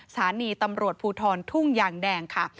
สถานีตำรวจภูทรทุ่งยางแดงค่ะ